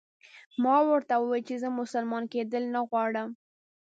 ما ورته وویل چې زه مسلمان کېدل نه غواړم.